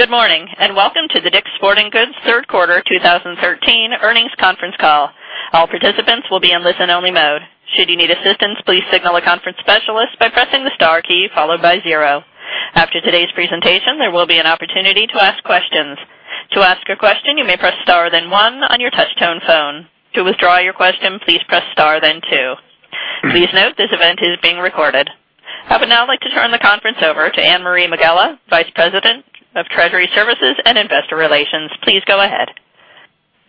Good morning, and welcome to the DICK’S Sporting Goods third quarter 2013 earnings conference call. All participants will be in listen-only mode. Should you need assistance, please signal a conference specialist by pressing the star key followed by zero. After today's presentation, there will be an opportunity to ask questions. To ask a question, you may press star then one on your touch tone phone. To withdraw your question, please press star then two. Please note this event is being recorded. I would now like to turn the conference over to Anne-Marie Van Vellingham, Vice President of Treasury Services and Investor Relations. Please go ahead.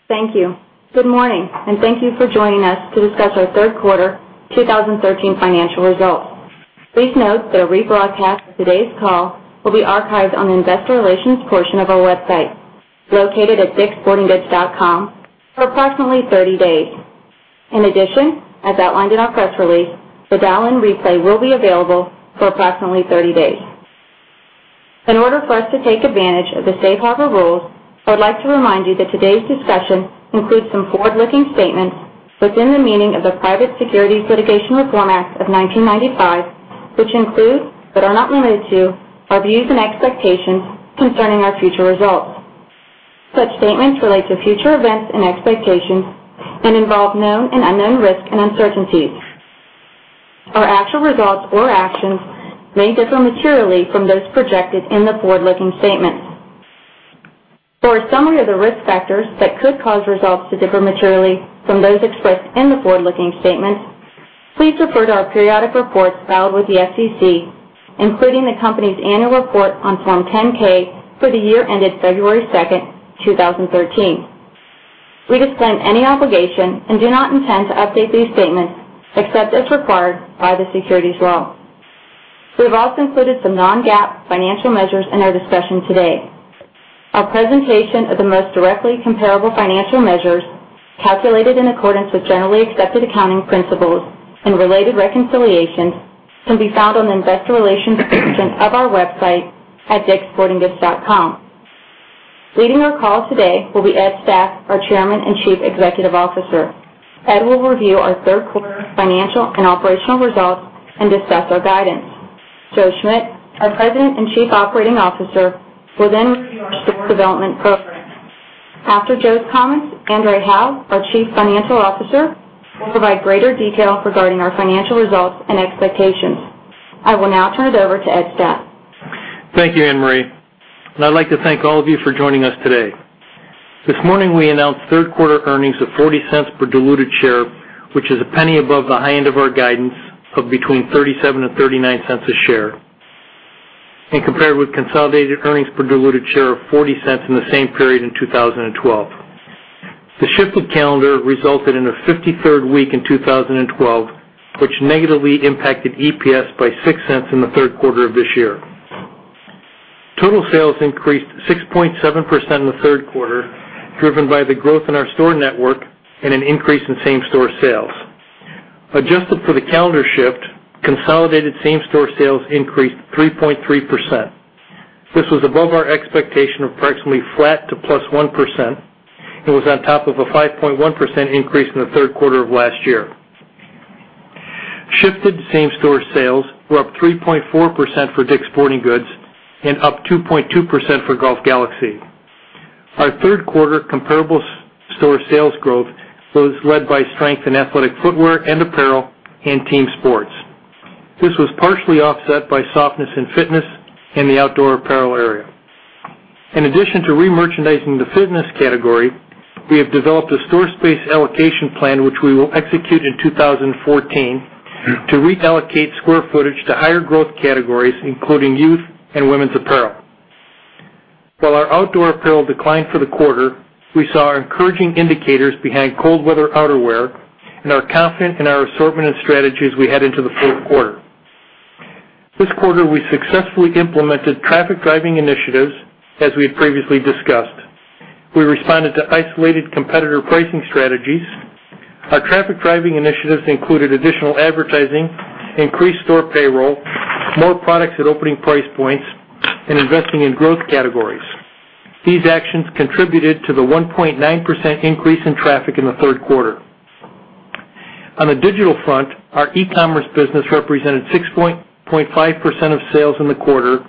Thank you. Good morning, and thank you for joining us to discuss our third quarter 2013 financial results. Please note that a rebroadcast of today's call will be archived on the investor relations portion of our website, located at dicksportinggoods.com, for approximately 30 days. In addition, as outlined in our press release, the dial-in replay will be available for approximately 30 days. In order for us to take advantage of the safe harbor rules, I would like to remind you that today's discussion includes some forward-looking statements within the meaning of the Private Securities Litigation Reform Act of 1995, which include, but are not limited to, our views and expectations concerning our future results. Such statements relate to future events and expectations and involve known and unknown risks and uncertainties. Our actual results or actions may differ materially from those projected in the forward-looking statements. For a summary of the risk factors that could cause results to differ materially from those expressed in the forward-looking statements, please refer to our periodic reports filed with the SEC, including the company's annual report on Form 10-K for the year ended February 2nd, 2013. We disclaim any obligation and do not intend to update these statements except as required by the securities law. We've also included some non-GAAP financial measures in our discussion today. Our presentation of the most directly comparable financial measures, calculated in accordance with generally accepted accounting principles and related reconciliations, can be found on the investor relations section of our website at dicksportinggoods.com. Leading our call today will be Ed Stack, our Chairman and Chief Executive Officer. Ed will review our third quarter financial and operational results and discuss our guidance. Joe Schmidt, our President and Chief Operating Officer, will then review our development program. After Joe's comments, André Hawaux, our Chief Financial Officer, will provide greater detail regarding our financial results and expectations. I will now turn it over to Ed Stack. Thank you, Anne Marie, I'd like to thank all of you for joining us today. This morning, we announced third-quarter earnings of $0.40 per diluted share, which is a penny above the high end of our guidance of between $0.37 to $0.39 a share and compared with consolidated earnings per diluted share of $0.40 in the same period in 2012. The shift of calendar resulted in a 53rd week in 2012, which negatively impacted EPS by $0.06 in the third quarter of this year. Total sales increased 6.7% in the third quarter, driven by the growth in our store network and an increase in same-store sales. Adjusted for the calendar shift, consolidated same-store sales increased 3.3%. This was above our expectation of approximately flat to +1%, and was on top of a 5.1% increase in the third quarter of last year. Shifted same-store sales were up 3.4% for DICK'S Sporting Goods and up 2.2% for Golf Galaxy. Our third-quarter comparable store sales growth was led by strength in athletic footwear and apparel and team sports. This was partially offset by softness in fitness and the outdoor apparel area. In addition to remerchandising the fitness category, we have developed a store space allocation plan which we will execute in 2014 to reallocate square footage to higher growth categories, including youth and women's apparel. While our outdoor apparel declined for the quarter, we saw encouraging indicators behind cold weather outerwear, and are confident in our assortment and strategy as we head into the fourth quarter. This quarter, we successfully implemented traffic-driving initiatives, as we had previously discussed. We responded to isolated competitor pricing strategies. Our traffic-driving initiatives included additional advertising, increased store payroll, more products at opening price points, and investing in growth categories. These actions contributed to the 1.9% increase in traffic in the third quarter. On the digital front, our e-commerce business represented 6.5% of sales in the quarter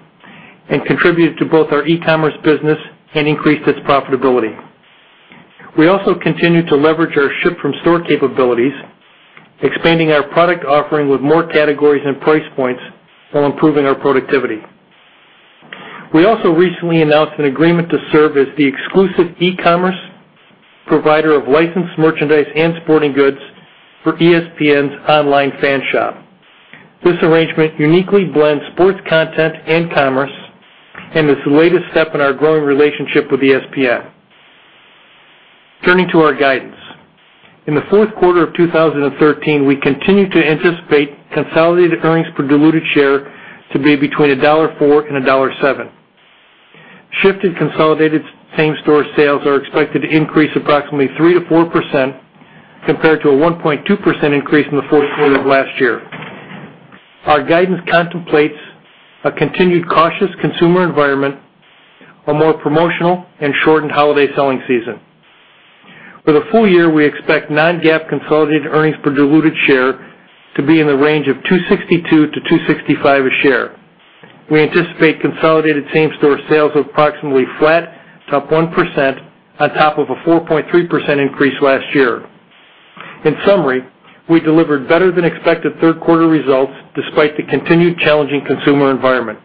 and contributed to both our e-commerce business and increased its profitability. We also continue to leverage our ship-from-store capabilities, expanding our product offering with more categories and price points while improving our productivity. We also recently announced an agreement to serve as the exclusive e-commerce provider of licensed merchandise and sporting goods for ESPN's online fan shop. This arrangement uniquely blends sports content and commerce and is the latest step in our growing relationship with ESPN. Turning to our guidance. In the fourth quarter of 2013, we continue to anticipate consolidated earnings per diluted share to be between $1.04 and $1.07. Shifted consolidated same-store sales are expected to increase approximately 3%-4%, compared to a 1.2% increase in the fourth quarter of last year. Our guidance contemplates a continued cautious consumer environment, a more promotional and shortened holiday selling season. For the full year, we expect non-GAAP consolidated earnings per diluted share to be in the range of $2.62 to $2.65 a share. We anticipate consolidated same-store sales of approximately flat, up 1%, on top of a 4.3% increase last year. In summary, we delivered better than expected third quarter results despite the continued challenging consumer environment.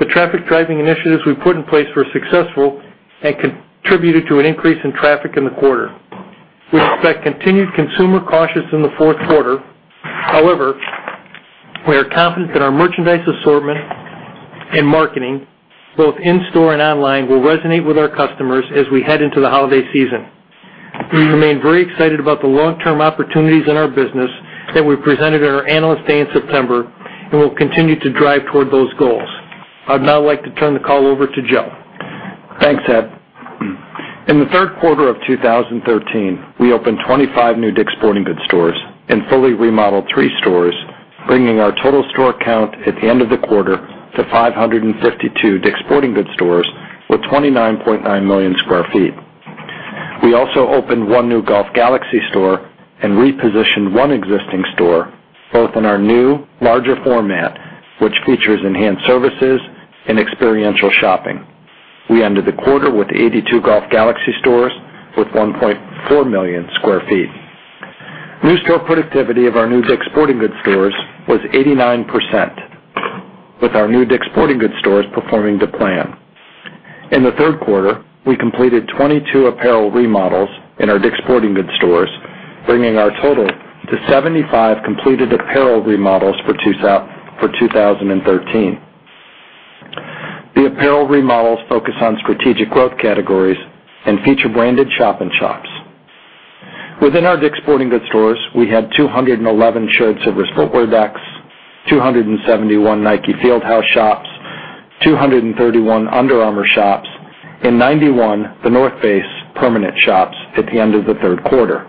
The traffic-driving initiatives we put in place were successful and contributed to an increase in traffic in the quarter. We expect continued consumer cautious in the fourth quarter. We are confident that our merchandise assortment and marketing, both in-store and online, will resonate with our customers as we head into the holiday season. We remain very excited about the long-term opportunities in our business that we presented at our Analyst Day in September, and we'll continue to drive toward those goals. I'd now like to turn the call over to Joe. Thanks, Ed. In the third quarter of 2013, we opened 25 new DICK'S Sporting Goods stores and fully remodeled three stores, bringing our total store count at the end of the quarter to 552 DICK'S Sporting Goods stores with 29.9 million sq ft. We also opened one new Golf Galaxy store and repositioned one existing store, both in our new, larger format, which features enhanced services and experiential shopping. We ended the quarter with 82 Golf Galaxy stores with 1.4 million sq ft. New store productivity of our new DICK'S Sporting Goods stores was 89%, with our new DICK'S Sporting Goods stores performing to plan. In the third quarter, we completed 22 apparel remodels in our DICK'S Sporting Goods stores, bringing our total to 75 completed apparel remodels for 2013. The apparel remodels focus on strategic growth categories and feature branded shop in shops. Within our DICK'S Sporting Goods stores, we had 211 shared service footwear decks, 271 Nike Fieldhouse shops, 231 Under Armour shops, and 91 The North Face permanent shops at the end of the third quarter.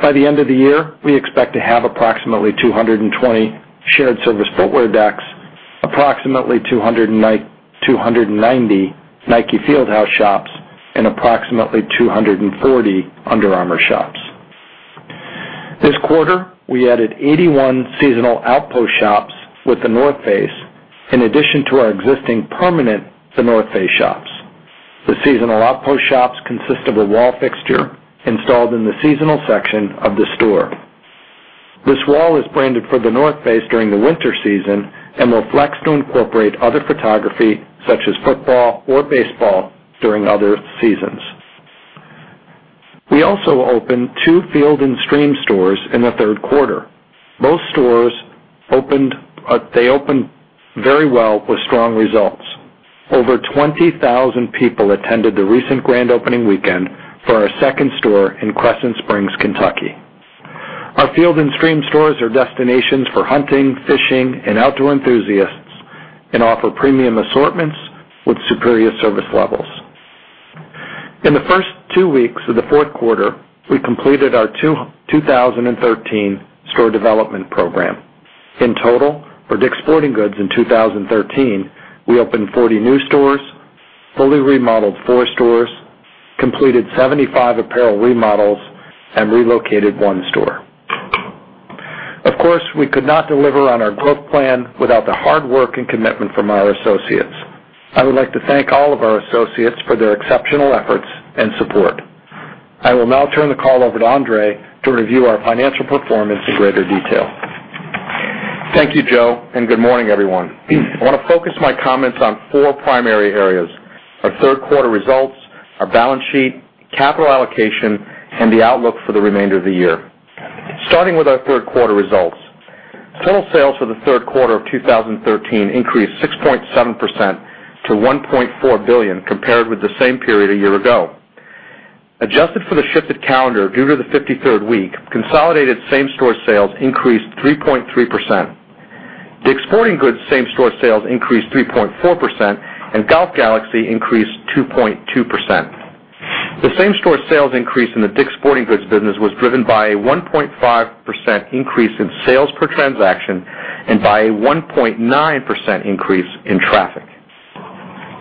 By the end of the year, we expect to have approximately 220 shared service footwear decks, approximately 290 Nike Fieldhouse shops, and approximately 240 Under Armour shops. This quarter, we added 81 seasonal outpost shops with The North Face, in addition to our existing permanent The North Face shops. The seasonal outpost shops consist of a wall fixture installed in the seasonal section of the store. This wall is branded for The North Face during the winter season and will flex to incorporate other photography, such as football or baseball, during other seasons. We also opened two Field & Stream stores in the third quarter. Both stores opened very well with strong results. Over 20,000 people attended the recent grand opening weekend for our second store in Crescent Springs, Kentucky. Our Field & Stream stores are destinations for hunting, fishing, and outdoor enthusiasts and offer premium assortments with superior service levels. In the first two weeks of the fourth quarter, we completed our 2013 store development program. In total, for DICK'S Sporting Goods in 2013, we opened 40 new stores, fully remodeled four stores, completed 75 apparel remodels, and relocated one store. Of course, we could not deliver on our growth plan without the hard work and commitment from our associates. I would like to thank all of our associates for their exceptional efforts and support. I will now turn the call over to André to review our financial performance in greater detail. Thank you, Joe, and good morning, everyone. I want to focus my comments on four primary areas, our third quarter results, our balance sheet, capital allocation, and the outlook for the remainder of the year. Starting with our third quarter results. Total sales for the third quarter of 2013 increased 6.7% to $1.4 billion compared with the same period a year ago. Adjusted for the shifted calendar due to the 53rd week, consolidated same-store sales increased 3.3%. DICK'S Sporting Goods same-store sales increased 3.4%, and Golf Galaxy increased 2.2%. The same-store sales increase in the DICK'S Sporting Goods business was driven by a 1.5% increase in sales per transaction and by a 1.9% increase in traffic.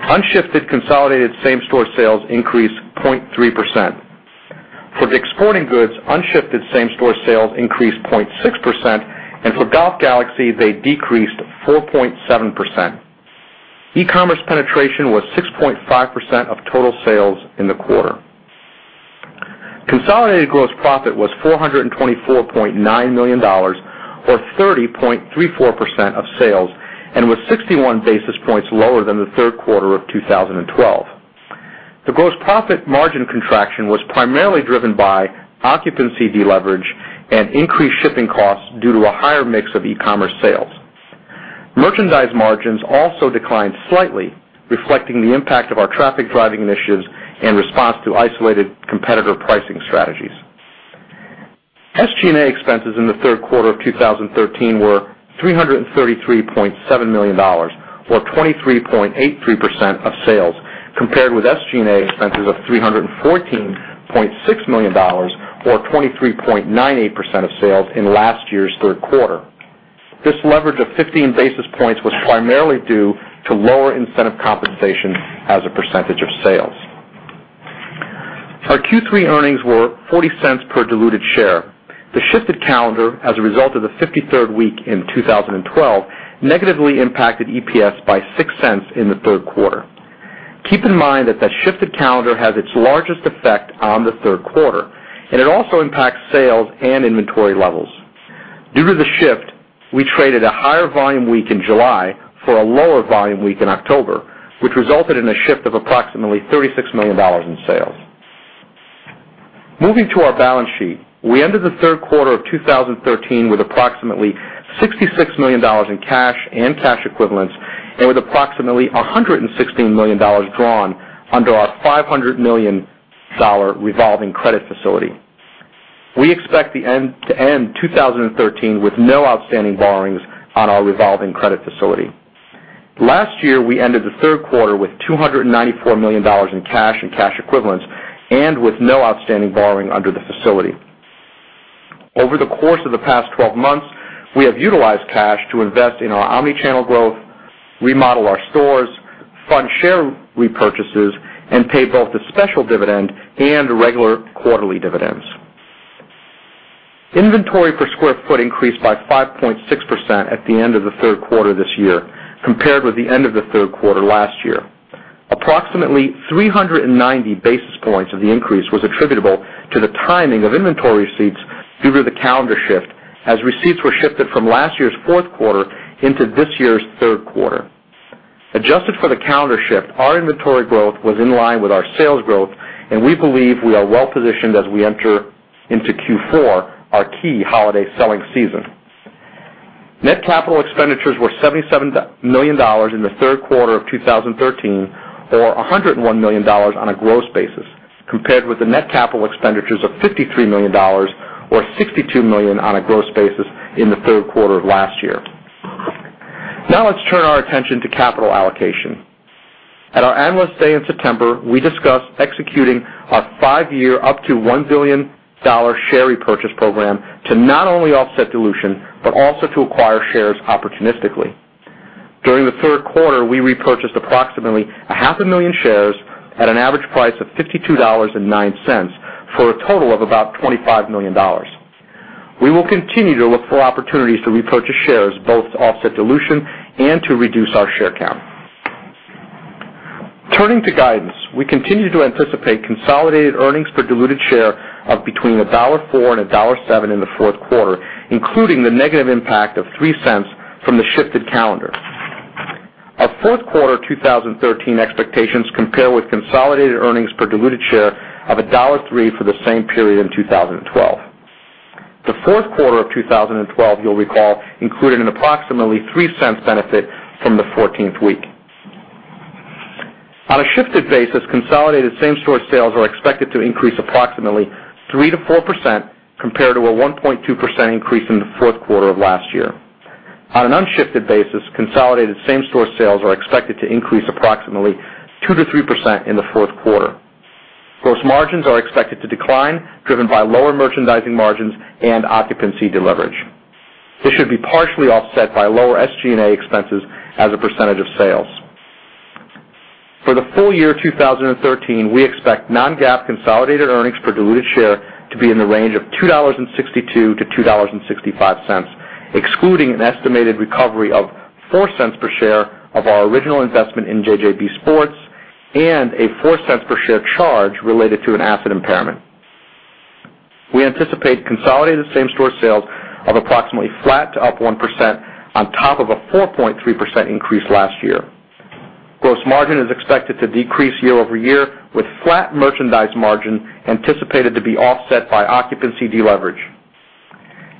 Unshifted consolidated same-store sales increased 0.3%. For DICK'S Sporting Goods, unshifted same-store sales increased 0.6%, and for Golf Galaxy, they decreased 4.7%. e-commerce penetration was 6.5% of total sales in the quarter. Consolidated gross profit was $424.9 million, or 30.34% of sales, and was 61 basis points lower than the third quarter of 2012. The gross profit margin contraction was primarily driven by occupancy deleverage and increased shipping costs due to a higher mix of e-commerce sales. Merchandise margins also declined slightly, reflecting the impact of our traffic-driving initiatives in response to isolated competitor pricing strategies. SG&A expenses in the third quarter of 2013 were $333.7 million, or 23.83% of sales, compared with SG&A expenses of $314.6 million or 23.98% of sales in last year's third quarter. This leverage of 15 basis points was primarily due to lower incentive compensation as a percentage of sales. Our Q3 earnings were $0.40 per diluted share. The shifted calendar as a result of the 53rd week in 2012, negatively impacted EPS by $0.06 in the third quarter. Keep in mind that that shifted calendar has its largest effect on the third quarter. It also impacts sales and inventory levels. Due to the shift, we traded a higher volume week in July for a lower volume week in October, which resulted in a shift of approximately $36 million in sales. Moving to our balance sheet, we ended the third quarter of 2013 with approximately $66 million in cash and cash equivalents, and with approximately $116 million drawn under our $500 million revolving credit facility. We expect to end 2013 with no outstanding borrowings on our revolving credit facility. Last year, we ended the third quarter with $294 million in cash and cash equivalents, and with no outstanding borrowing under the facility. Over the course of the past 12 months, we have utilized cash to invest in our omni-channel growth, remodel our stores, fund share repurchases, and pay both the special dividend and regular quarterly dividends. Inventory per square foot increased by 5.6% at the end of the third quarter this year, compared with the end of the third quarter last year. Approximately 390 basis points of the increase was attributable to the timing of inventory receipts due to the calendar shift, as receipts were shifted from last year's fourth quarter into this year's third quarter. Adjusted for the calendar shift, our inventory growth was in line with our sales growth. We believe we are well-positioned as we enter into Q4, our key holiday selling season. Net capital expenditures were $77 million in the third quarter of 2013, or $101 million on a gross basis, compared with the net capital expenditures of $53 million or $62 million on a gross basis in the third quarter of last year. Let's turn our attention to capital allocation. At our Analyst Day in September, we discussed executing our five-year up to $1 billion share repurchase program to not only offset dilution, but also to acquire shares opportunistically. During the third quarter, we repurchased approximately a half a million shares at an average price of $52.09, for a total of about $25 million. We will continue to look for opportunities to repurchase shares, both to offset dilution and to reduce our share count. Turning to guidance, we continue to anticipate consolidated earnings per diluted share of between $1.04 and $1.07 in the fourth quarter, including the negative impact of $0.03 from the shifted calendar. Our fourth quarter 2013 expectations compare with consolidated earnings per diluted share of $1.03 for the same period in 2012. The fourth quarter of 2012, you'll recall, included an approximately $0.03 benefit from the 14th week. On a shifted basis, consolidated same-store sales are expected to increase approximately 3%-4%, compared to a 1.2% increase in the fourth quarter of last year. On an unshifted basis, consolidated same-store sales are expected to increase approximately 2%-3% in the fourth quarter. Gross margins are expected to decline, driven by lower merchandising margins and occupancy deleverage. This should be partially offset by lower SG&A expenses as a percentage of sales. For the full year 2013, we expect non-GAAP consolidated earnings per diluted share to be in the range of $2.62 to $2.65, excluding an estimated recovery of $0.04 per share of our original investment in JJB Sports and a $0.04 per share charge related to an an asset impairment. We anticipate consolidated same-store sales of approximately flat to up 1% on top of a 4.3% increase last year. Gross margin is expected to decrease year-over-year, with flat merchandise margin anticipated to be offset by occupancy deleverage.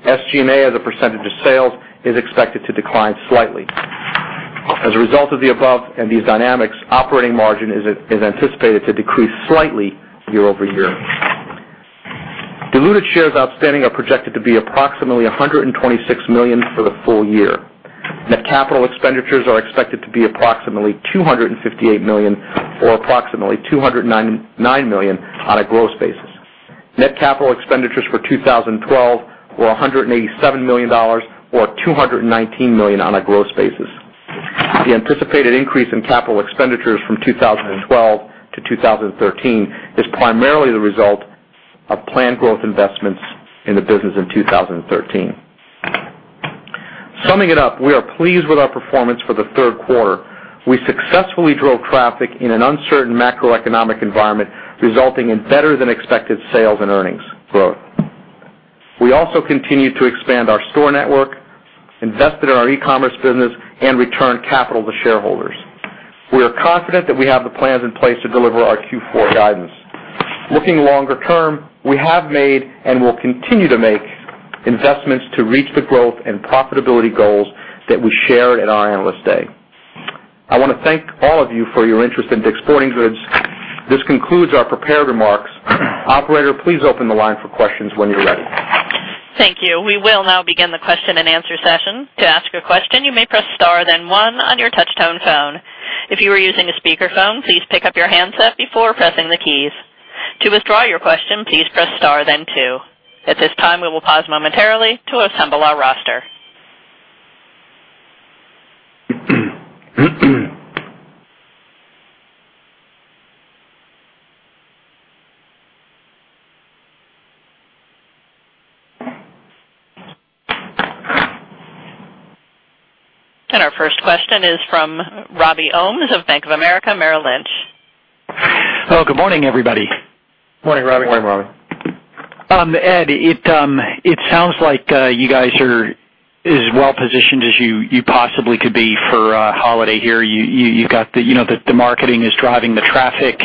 SG&A as a percentage of sales is expected to decline slightly. As a result of the above and these dynamics, operating margin is anticipated to decrease slightly year-over-year. Diluted shares outstanding are projected to be approximately 126 million for the full year. Net capital expenditures are expected to be approximately $258 million or approximately $209 million on a gross basis. Net capital expenditures for 2012 were $187 million or $219 million on a gross basis. The anticipated increase in capital expenditures from 2012 to 2013 is primarily the result of planned growth investments in the business in 2013. Summing it up, we are pleased with our performance for the third quarter. We successfully drove traffic in an uncertain macroeconomic environment, resulting in better than expected sales and earnings growth. We also continued to expand our store network, invested in our e-commerce business, and returned capital to shareholders. We are confident that we have the plans in place to deliver our Q4 guidance. Looking longer term, we have made and will continue to make investments to reach the growth and profitability goals that we shared at our Analyst Day. I want to thank all of you for your interest in DICK'S Sporting Goods. This concludes our prepared remarks. Operator, please open the line for questions when you're ready. Thank you. We will now begin the question and answer session. To ask a question, you may press star then one on your touch-tone phone. If you are using a speakerphone, please pick up your handset before pressing the keys. To withdraw your question, please press star then two. At this time, we will pause momentarily to assemble our roster. Our first question is from Robert Ohmes of Bank of America Merrill Lynch. Hello, good morning, everybody. Morning, Robbie. Morning, Robbie. Ed, it sounds like you guys are as well-positioned as you possibly could be for a holiday here. The marketing is driving the traffic.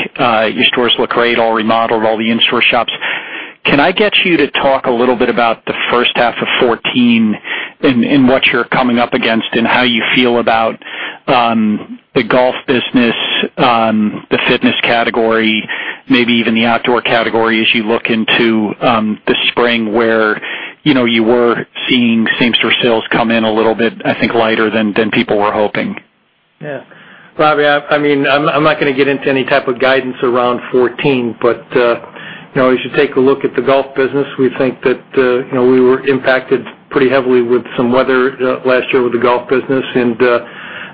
Your stores look great, all remodeled, all the in-store shops. Can I get you to talk a little bit about the first half of 2014 and what you're coming up against and how you feel about the golf business, the fitness category, maybe even the outdoor category as you look into the spring where you were seeing same-store sales come in a little bit, I think, lighter than people were hoping. Yeah. Robbie, I'm not going to get into any type of guidance around 2014. As you take a look at the golf business, we think that we were impacted pretty heavily with some weather last year with the golf business and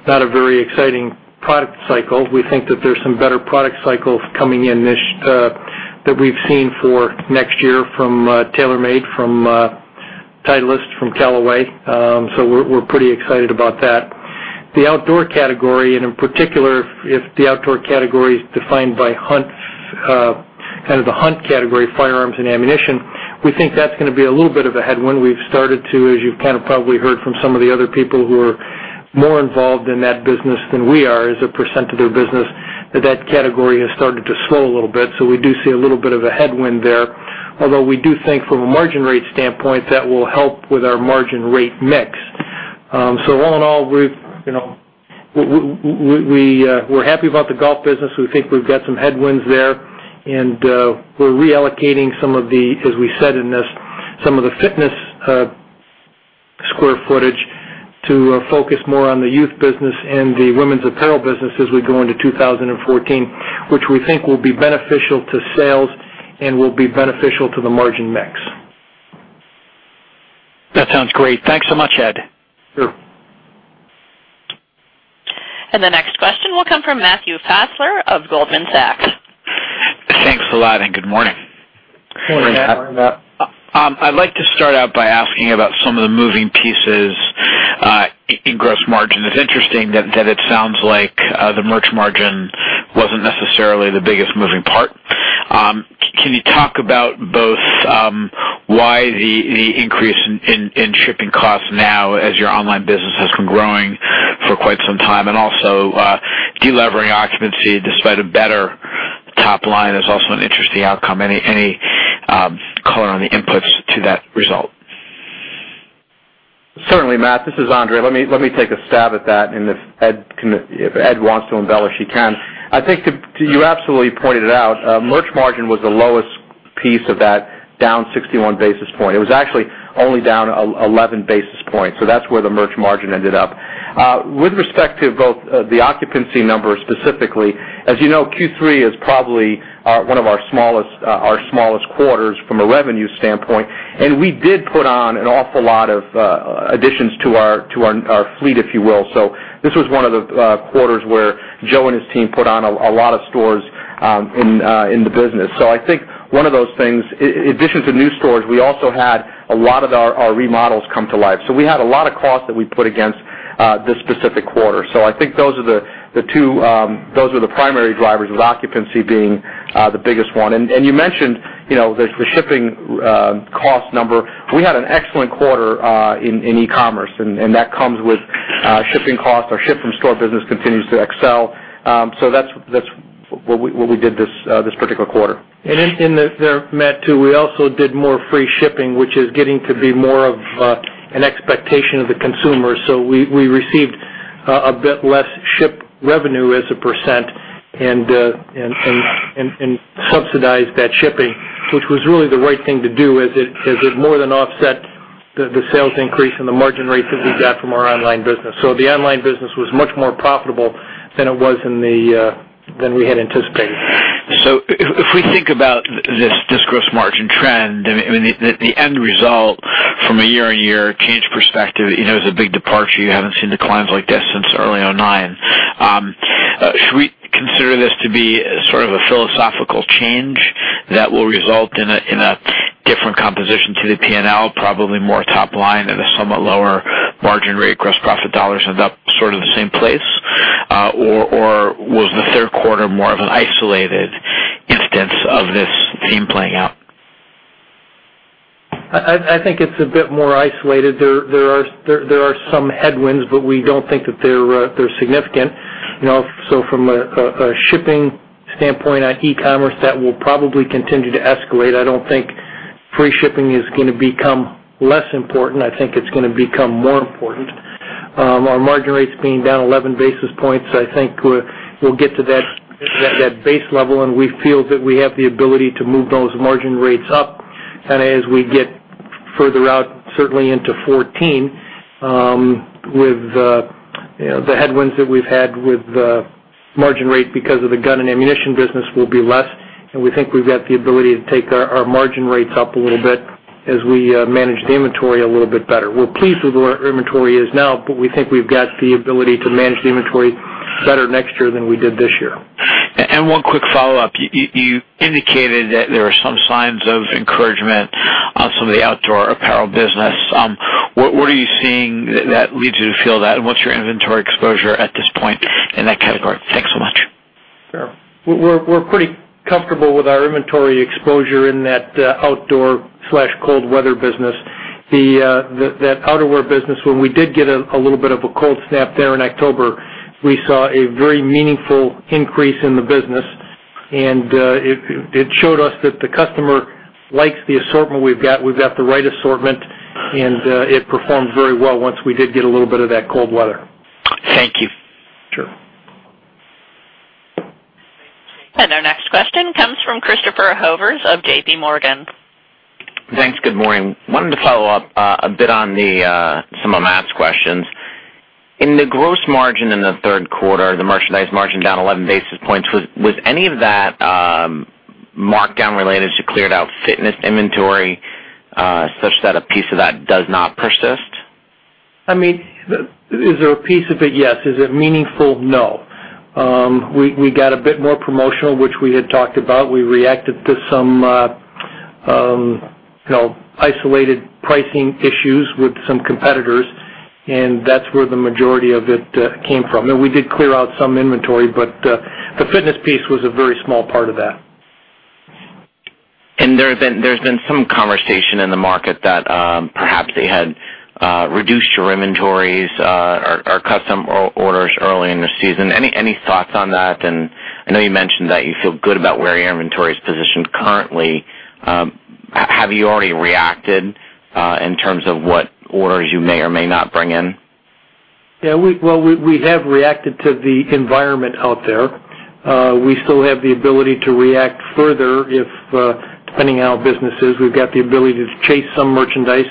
not a very exciting product cycle. We think that there's some better product cycles coming in that we've seen for next year from TaylorMade, from Titleist, from Callaway. We're pretty excited about that. The outdoor category, and in particular, if the outdoor category is defined by kind of the hunt category, firearms and ammunition, we think that's going to be a little bit of a headwind. We've started to, as you've kind of probably heard from some of the other people who are more involved in that business than we are as a % of their business, that category has started to slow a little bit. We do see a little bit of a headwind there. Although we do think from a margin rate standpoint, that will help with our margin rate mix. All in all, we're happy about the golf business. We think we've got some headwinds there, and we're reallocating some of the, as we said in this, some of the fitness square footage to focus more on the youth business and the women's apparel business as we go into 2014, which we think will be beneficial to sales and will be beneficial to the margin mix. That sounds great. Thanks so much, Ed. Sure. The next question will come from Matthew Fassler of Goldman Sachs. Thanks a lot, and good morning. Morning, Matt. Morning, Matt. I'd like to start out by asking about some of the moving pieces in gross margin. It's interesting that it sounds like the merch margin wasn't necessarily the biggest moving part. Can you talk about both why the increase in shipping costs now as your online business has been growing for quite some time, and also, delevering occupancy despite a better top line is also an interesting outcome. Any color on the inputs to that result? Certainly, Matt, this is André. Let me take a stab at that, and if Ed wants to embellish, he can. I think you absolutely pointed it out. Merch margin was the lowest piece of that, down 61 basis point. It was actually only down 11 basis points, so that's where the merch margin ended up. With respect to both the occupancy numbers specifically, as you know, Q3 is probably one of our smallest quarters from a revenue standpoint, and we did put on an awful lot of additions to our fleet, if you will. This was one of the quarters where Joe and his team put on a lot of stores in the business. I think one of those things, in addition to new stores, we also had a lot of our remodels come to life. We had a lot of costs that we put against this specific quarter. I think those are the two primary drivers, with occupancy being the biggest one. You mentioned the shipping cost number. We had an excellent quarter in e-commerce, and that comes with shipping costs. Our ship from store business continues to excel. That's what we did this particular quarter. In there, Matt, too, we also did more free shipping, which is getting to be more of an expectation of the consumer. We received a bit less ship revenue as a percent and subsidized that shipping, which was really the right thing to do, as it more than offset the sales increase and the margin rates that we got from our online business. The online business was much more profitable than we had anticipated. If we think about this gross margin trend, I mean, the end result from a year-over-year change perspective, it's a big departure. You haven't seen declines like this since early 2009. Should we consider this to be sort of a philosophical change that will result in a different composition to the P&L, probably more top line and a somewhat lower margin rate, gross profit dollars end up sort of the same place? Or was the third quarter more of an isolated instance of this theme playing out? I think it's a bit more isolated. There are some headwinds, but we don't think that they're significant. From a shipping standpoint on e-commerce, that will probably continue to escalate. I don't think free shipping is going to become less important. I think it's going to become more important. Our margin rates being down 11 basis points, I think we'll get to that base level, and we feel that we have the ability to move those margin rates up kind of as we get further out, certainly into 2014, with the headwinds that we've had with the margin rate because of the gun and ammunition business will be less, and we think we've got the ability to take our margin rates up a little bit as we manage the inventory a little bit better. We're pleased with where our inventory is now, we think we've got the ability to manage the inventory better next year than we did this year. One quick follow-up. You indicated that there are some signs of encouragement on some of the outdoor apparel business. What are you seeing that leads you to feel that, and what's your inventory exposure at this point in that category? Thanks so much. Sure. We're pretty comfortable with our inventory exposure in that outdoor/cold weather business. That outerwear business, when we did get a little bit of a cold snap there in October, we saw a very meaningful increase in the business, and it showed us that the customer likes the assortment we've got. We've got the right assortment, and it performed very well once we did get a little bit of that cold weather. Thank you. Sure. Our next question comes from Christopher Horvers of JPMorgan. Thanks. Good morning. Wanted to follow up a bit on some of Matt's questions. In the gross margin in the third quarter, the merchandise margin down 11 basis points, was any of that markdown related to cleared out fitness inventory, such that a piece of that does not persist? Is there a piece of it? Yes. Is it meaningful? No. We got a bit more promotional, which we had talked about. We reacted to some isolated pricing issues with some competitors, that's where the majority of it came from. We did clear out some inventory, the fitness piece was a very small part of that. There's been some conversation in the market that perhaps they had reduced your inventories or custom orders early in the season. Any thoughts on that? I know you mentioned that you feel good about where your inventory is positioned currently. Have you already reacted in terms of what orders you may or may not bring in? Well, we have reacted to the environment out there. We still have the ability to react further, depending on how business is. We've got the ability to chase some merchandise,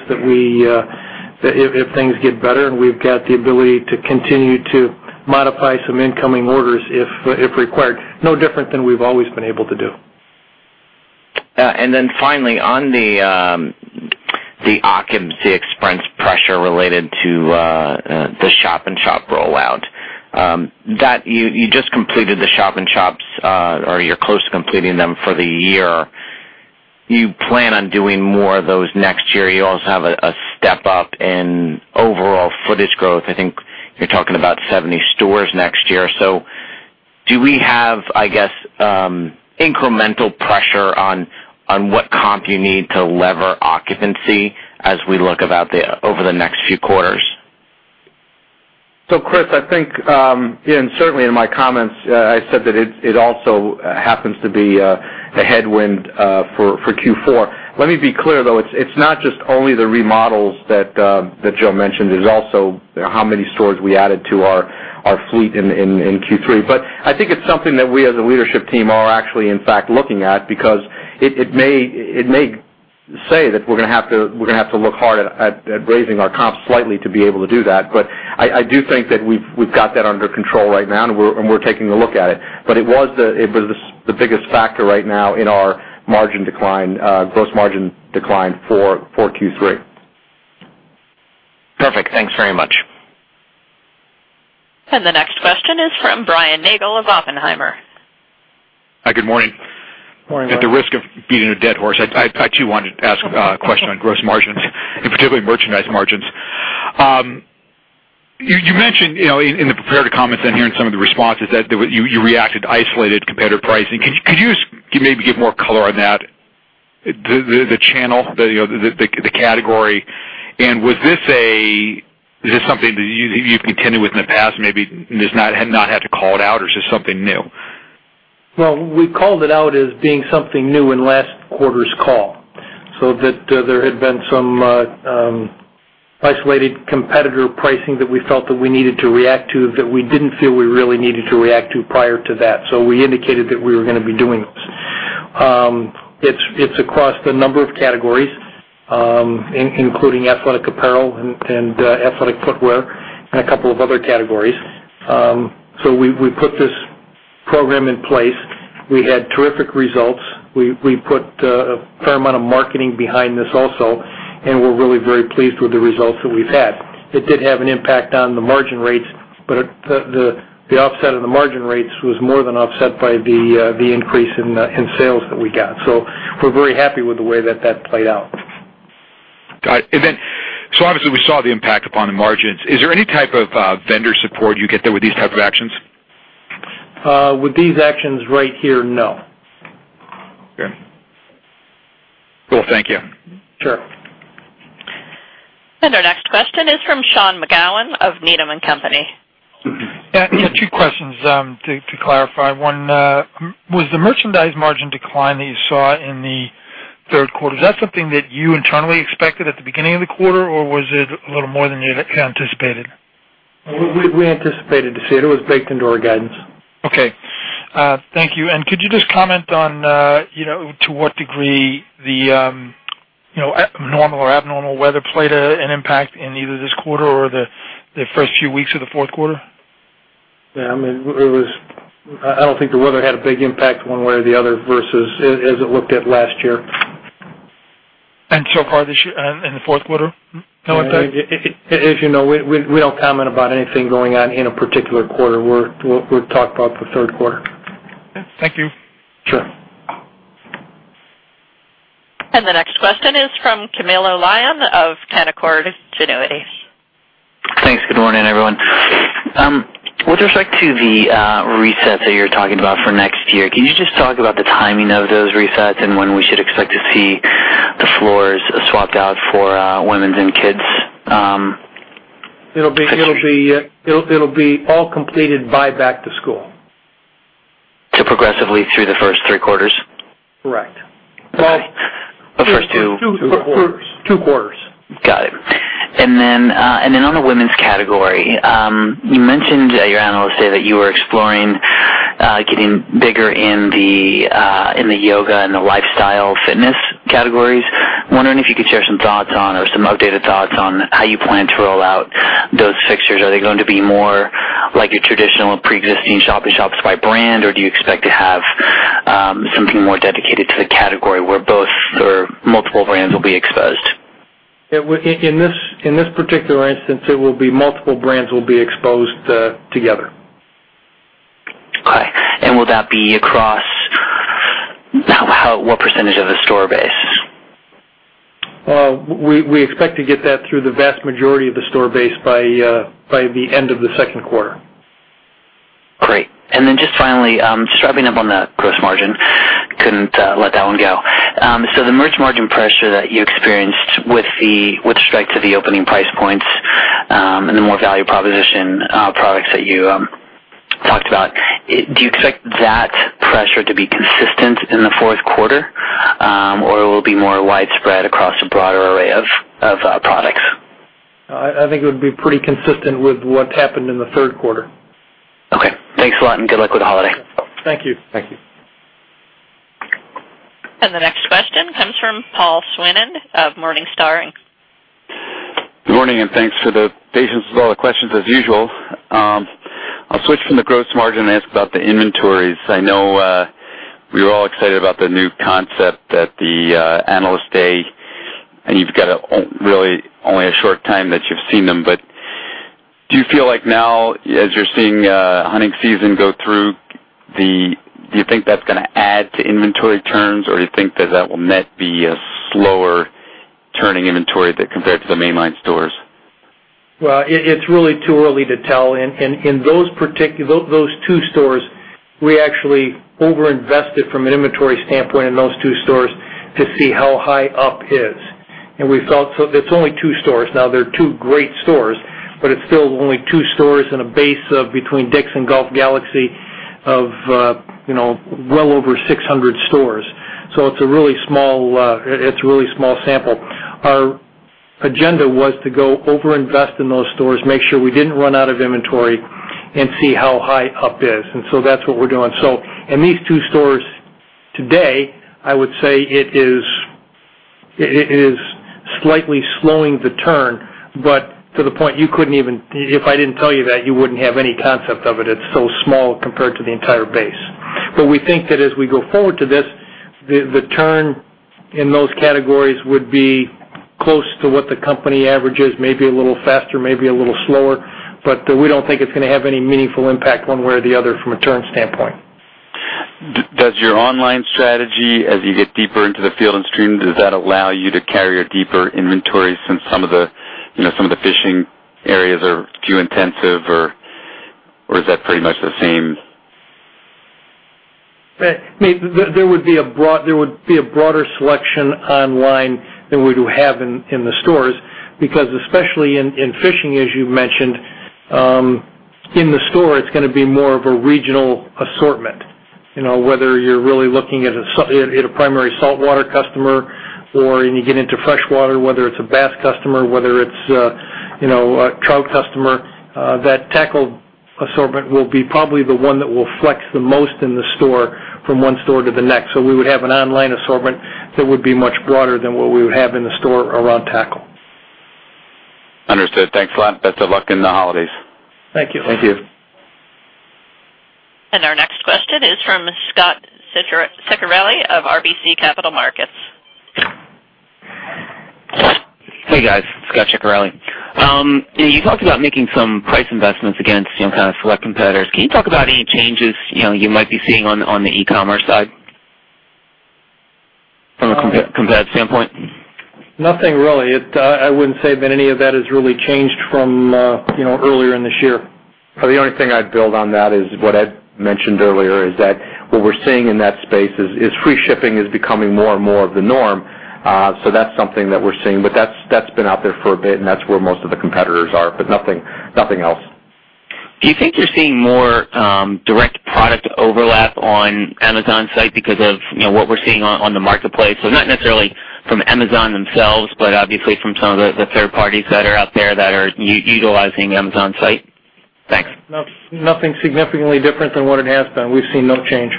if things get better, we've got the ability to continue to modify some incoming orders, if required. No different than we've always been able to do. Finally, on the occupancy expense pressure related to the shop-in-shop rollout. You just completed the shop-in-shops, or you're close to completing them for the year. You plan on doing more of those next year. You also have a step-up in overall footage growth. I think you're talking about 70 stores next year. Do we have, I guess, incremental pressure on what comp you need to lever occupancy as we look over the next few quarters? Chris, I think, and certainly in my comments, I said that it also happens to be a headwind for Q4. Let me be clear, though. It's not just only the remodels that Joe mentioned. There's also how many stores we added to our fleet in Q3. I think it's something that we as a leadership team are actually in fact looking at, because it may say that we're going to have to look hard at raising our comp slightly to be able to do that. I do think that we've got that under control right now and we're taking a look at it. It was the biggest factor right now in our gross margin decline for Q3. Perfect. Thanks very much. The next question is from Brian Nagel of Oppenheimer. Hi, good morning. Morning, Brian. At the risk of beating a dead horse, I too wanted to ask a question on gross margins and particularly merchandise margins. You mentioned in the prepared comments and hearing some of the responses, that you reacted to isolated competitor pricing. Could you maybe give more color on that? The channel, the category, and is this something that you've contended with in the past and maybe have not had to call it out, or is this something new? Well, we called it out as being something new in last quarter's call. That there had been some isolated competitor pricing that we felt that we needed to react to, that we didn't feel we really needed to react to prior to that. We indicated that we were going to be doing this. It's across a number of categories, including athletic apparel and athletic footwear and a couple of other categories. We put this program in place. We had terrific results. We put a fair amount of marketing behind this also. We're really very pleased with the results that we've had. It did have an impact on the margin rates. The offset of the margin rates was more than offset by the increase in sales that we got. We're very happy with the way that that played out. Got it. Obviously, we saw the impact upon the margins. Is there any type of vendor support you get there with these type of actions? With these actions right here, no. Okay. Cool. Thank you. Sure. Our next question is from Sean McGowan of Needham & Company. Yeah, two questions to clarify. One, was the merchandise margin decline that you saw in the third quarter, is that something that you internally expected at the beginning of the quarter, or was it a little more than you had anticipated? We anticipated to see it. It was baked into our guidance. Okay. Thank you. Could you just comment on to what degree the normal or abnormal weather played an impact in either this quarter or the first few weeks of the fourth quarter? Yeah, I don't think the weather had a big impact one way or the other versus as it looked at last year. So far in the fourth quarter? As you know, we don't comment about anything going on in a particular quarter. We'll talk about the third quarter. Okay. Thank you. Sure. The next question is from Camilo Lyon of Canaccord Genuity. Thanks. Good morning, everyone. With respect to the reset that you're talking about for next year, can you just talk about the timing of those resets and when we should expect to see the floors swapped out for women's and kids? It'll be all completed by back to school. Progressively through the first three quarters? Correct. The first two. Two quarters. Got it. Then on the women's category, you mentioned at your Analyst Day that you were exploring getting bigger in the yoga and the lifestyle fitness categories. Wondering if you could share some thoughts on, or some updated thoughts on how you plan to roll out those fixtures. Are they going to be more like your traditional preexisting shop-in-shops by brand, or do you expect to have something more dedicated to the category where both or multiple brands will be exposed? In this particular instance, it will be multiple brands will be exposed together. Okay. Will that be what percentage of the store base? We expect to get that through the vast majority of the store base by the end of the Second Quarter. Great. Then just finally, just wrapping up on the gross margin. Couldn't let that one go. The merch margin pressure that you experienced with respect to the opening price points and the more value proposition products that you talked about, do you expect that pressure to be consistent in the Fourth Quarter, or will it be more widespread across a broader array of products? I think it would be pretty consistent with what happened in the Third Quarter. Okay. Thanks a lot. Good luck with the holiday. Thank you. Thank you. The next question comes from Paul Swinand of Morningstar. Good morning, and thanks for the patience with all the questions, as usual. I'll switch from the gross margin and ask about the inventories. I know we were all excited about the new concept at the Analyst Day, and you've got really only a short time that you've seen them, but do you feel like now, as you're seeing hunting season go through, do you think that's going to add to inventory turns, or do you think that that will net be a slower turning inventory compared to the mainline stores? Well, it's really too early to tell. In those two stores, we actually over-invested from an inventory standpoint in those two stores to see how high up is. It's only two stores. Now they're two great stores, it's still only two stores in a base of between DICK'S and Golf Galaxy of well over 600 stores. It's a really small sample. Our agenda was to go over-invest in those stores, make sure we didn't run out of inventory, and see how high up is. That's what we're doing. In these two stores today, I would say it is slightly slowing the turn, but to the point, if I didn't tell you that, you wouldn't have any concept of it. It's so small compared to the entire base. We think that as we go forward to this, the turn in those categories would be close to what the company average is, maybe a little faster, maybe a little slower. We don't think it's going to have any meaningful impact one way or the other from a turn standpoint. Does your online strategy, as you get deeper into the Field & Stream, does that allow you to carry a deeper inventory since some of the fishing areas are too intensive, or is that pretty much the same? There would be a broader selection online than we would have in the stores because especially in fishing, as you mentioned, in the store, it's going to be more of a regional assortment. Whether you're really looking at a primary saltwater customer or you get into freshwater, whether it's a bass customer, whether it's a trout customer, that tackle assortment will be probably the one that will flex the most in the store from one store to the next. We would have an online assortment that would be much broader than what we would have in the store around tackle. Understood. Thanks a lot. Best of luck in the holidays. Thank you. Thank you. Our next question is from Scot Ciccarelli of RBC Capital Markets. Hey, guys. Scot Ciccarelli. You talked about making some price investments against kind of select competitors. Can you talk about any changes you might be seeing on the e-commerce side from a competitive standpoint? Nothing really. I wouldn't say that any of that has really changed from earlier in this year. The only thing I'd build on that is what Ed mentioned earlier, is that what we're seeing in that space is free shipping is becoming more and more of the norm. That's something that we're seeing. That's been out there for a bit, and that's where most of the competitors are. Nothing else. Do you think you're seeing more direct product overlap on Amazon site because of what we're seeing on the marketplace? Not necessarily from Amazon themselves, but obviously from some of the third parties that are out there that are utilizing Amazon site. Thanks. Nothing significantly different than what it has been. We've seen no change.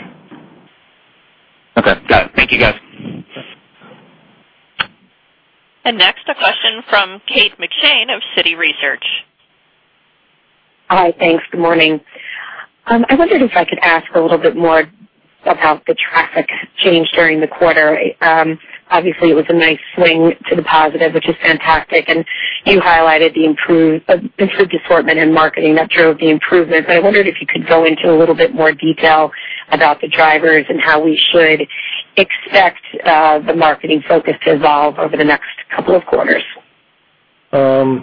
Okay. Got it. Thank you, guys. Next, a question from Kate McShane of Citi Research. Hi. Thanks. Good morning. I wondered if I could ask a little bit more about the traffic change during the quarter. Obviously, it was a nice swing to the positive, which is fantastic, and you highlighted the improved assortment in marketing that drove the improvement. I wondered if you could go into a little bit more detail about the drivers and how we should expect the marketing focus to evolve over the next couple of quarters. Well,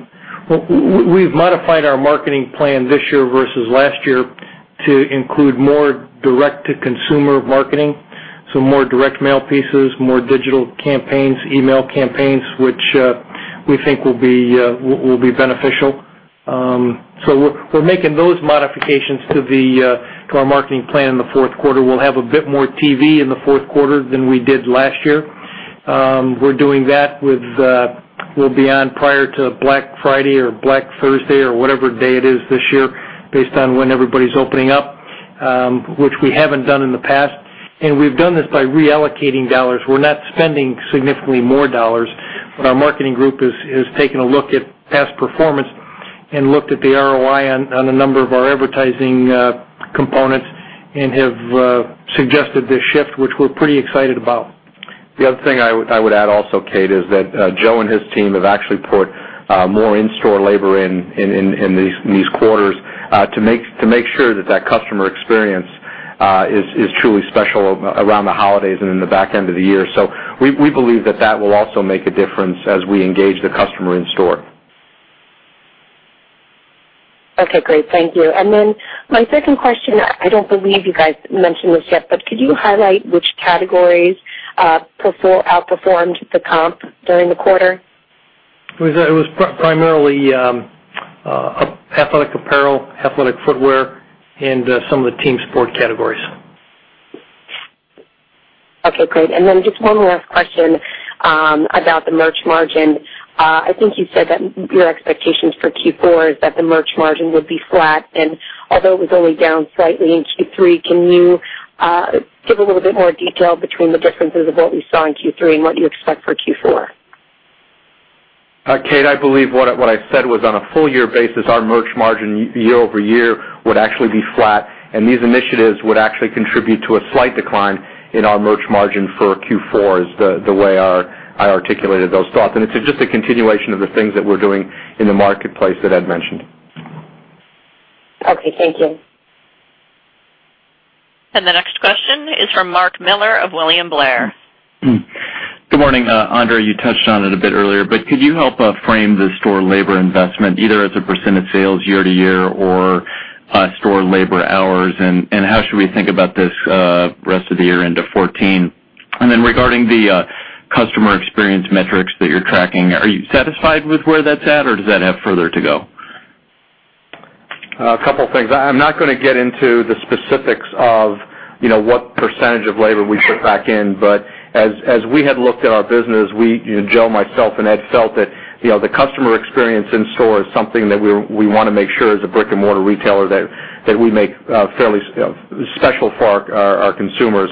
we've modified our marketing plan this year versus last year to include more direct-to-consumer marketing, so more direct mail pieces, more digital campaigns, email campaigns, which we think will be beneficial. We're making those modifications to our marketing plan in the fourth quarter. We'll have a bit more TV in the fourth quarter than we did last year. We're doing that, we'll be on prior to Black Friday or Black Thursday or whatever day it is this year, based on when everybody's opening up, which we haven't done in the past. We've done this by reallocating dollars. We're not spending significantly more dollars. Our marketing group has taken a look at past performance and looked at the ROI on a number of our advertising components and have suggested this shift, which we're pretty excited about. The other thing I would add also, Kate, is that Joe and his team have actually put more in-store labor in these quarters to make sure that that customer experience is truly special around the holidays and in the back end of the year. We believe that that will also make a difference as we engage the customer in store. Okay, great. Thank you. My second question, I don't believe you guys mentioned this yet, could you highlight which categories outperformed the comp during the quarter? It was primarily athletic apparel, athletic footwear, and some of the team sport categories. Okay, great. Then just one last question about the merch margin. I think you said that your expectations for Q4 is that the merch margin would be flat, although it was only down slightly in Q3, can you give a little bit more detail between the differences of what we saw in Q3 and what you expect for Q4? Kate, I believe what I said was on a full year basis, our merch margin year-over-year would actually be flat, these initiatives would actually contribute to a slight decline in our merch margin for Q4, is the way I articulated those thoughts. It's just a continuation of the things that we're doing in the marketplace that Ed mentioned. Okay. Thank you. The next question is from Mark Miller of William Blair. Good morning. André, you touched on it a bit earlier, but could you help frame the store labor investment either as a % of sales year-over-year or store labor hours, how should we think about this rest of the year into 2014? Regarding the customer experience metrics that you're tracking, are you satisfied with where that's at or does that have further to go? A couple things. I'm not going to get into the specifics of what % of labor we put back in. As we had looked at our business, we, Joe, myself, and Ed, felt that the customer experience in store is something that we want to make sure as a brick and mortar retailer, that we make fairly special for our consumers.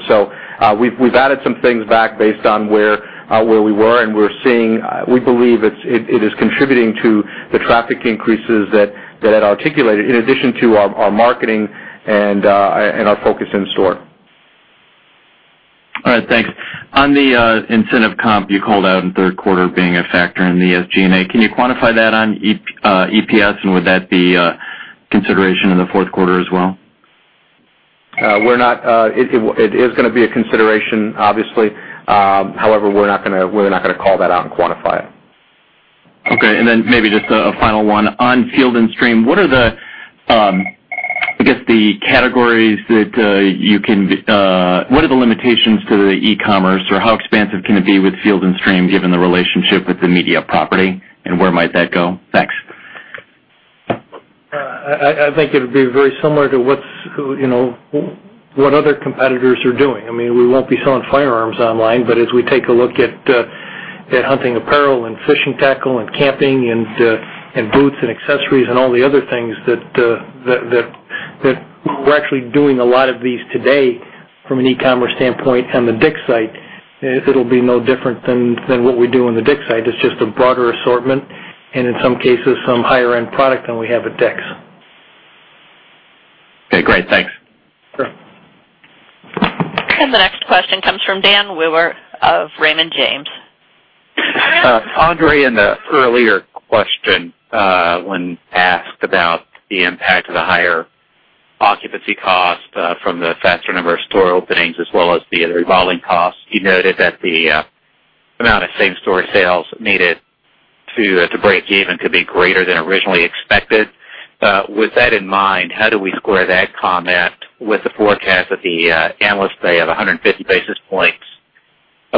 We've added some things back based on where we were, and we believe it is contributing to the traffic increases that Ed articulated in addition to our marketing and our focus in store. All right. Thanks. On the incentive comp you called out in third quarter being a factor in the SG&A. Can you quantify that on EPS and would that be a consideration in the fourth quarter as well? It is going to be a consideration, obviously. However, we are not going to call that out and quantify it. Okay. Maybe just a final one. On Field & Stream, what are the limitations to the e-commerce, or how expansive can it be with Field & Stream given the relationship with the media property and where might that go? Thanks. I think it would be very similar to what other competitors are doing. We will not be selling firearms online, but as we take a look at hunting apparel and fishing tackle and camping and boots and accessories and all the other things that we are actually doing a lot of these today from an e-commerce standpoint on the DICK'S site. It will be no different than what we do on the DICK'S site. It is just a broader assortment and in some cases, some higher end product than we have at DICK'S. Okay, great. Thanks. Sure. The next question comes from Dan Wewer of Raymond James. André, in the earlier question, when asked about the impact of the higher occupancy cost from the faster number of store openings as well as the revolving costs, you noted that the amount of same-store sales needed to break even could be greater than originally expected. With that in mind, how do we square that comment with the forecast that the analysts say of 150 basis points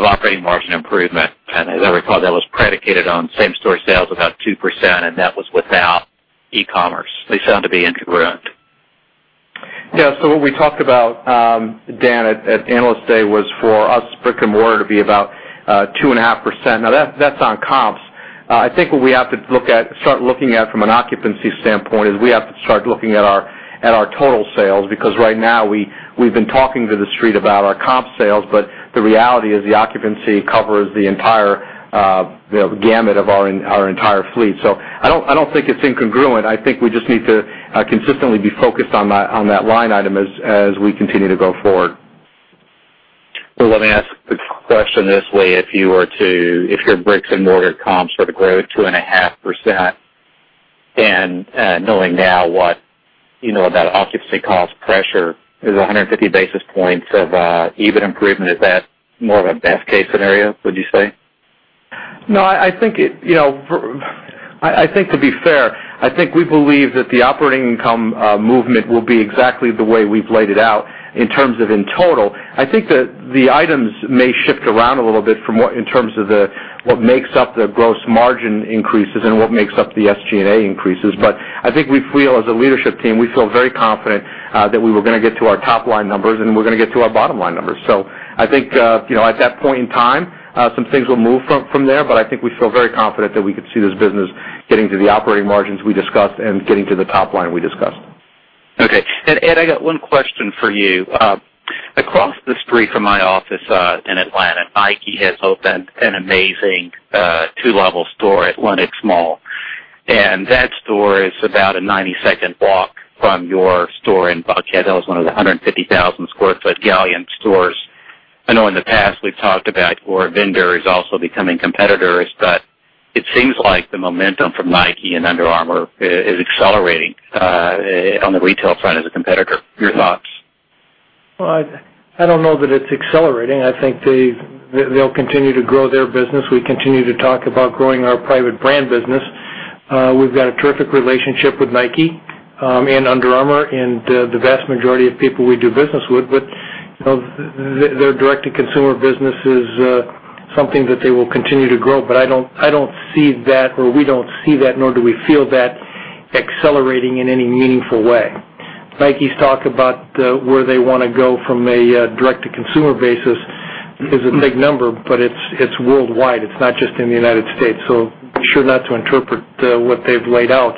margin improvement. As I recall, that was predicated on same-store sales about 2%, and that was without e-commerce. They sound to be incongruent. Yeah. What we talked about, Dan, at Analyst Day was for us brick-and-mortar to be about 2.5%. Now, that's on comps. I think what we have to start looking at from an occupancy standpoint is we have to start looking at our total sales, because right now, we've been talking to The Street about our comp sales, but the reality is the occupancy covers the entire gamut of our entire fleet. I don't think it's incongruent. I think we just need to consistently be focused on that line item as we continue to go forward. Let me ask the question this way. If your bricks-and-mortar comps were to grow 2.5% and knowing now what you know about occupancy cost pressure is 150 basis points of EBIT improvement, is that more of a best case scenario, would you say? No. To be fair, I think we believe that the operating income movement will be exactly the way we've laid it out in terms of in total. I think that the items may shift around a little bit in terms of what makes up the gross margin increases and what makes up the SG&A increases. I think as a leadership team, we feel very confident that we were going to get to our top-line numbers, and we're going to get to our bottom-line numbers. I think, at that point in time, some things will move from there, but I think we feel very confident that we could see this business getting to the operating margins we discussed and getting to the top line we discussed. Okay. Ed, I got one question for you. Across the street from my office, in Atlanta, Nike has opened an amazing two-level store at Lenox Mall, and that store is about a 90-second walk from your store in Buckhead. That was one of the 150,000 sq ft galleon stores. I know in the past we've talked about your vendors also becoming competitors, it seems like the momentum from Nike and Under Armour is accelerating on the retail front as a competitor. Your thoughts? Well, I don't know that it's accelerating. I think they'll continue to grow their business. We continue to talk about growing our private brand business. We've got a terrific relationship with Nike and Under Armour and the vast majority of people we do business with, their direct-to-consumer business is something that they will continue to grow. I don't see that, or we don't see that, nor do we feel that accelerating in any meaningful way. Nike's talk about where they want to go from a direct-to-consumer basis is a big number, but it's worldwide. It's not just in the U.S. Be sure not to interpret what they've laid out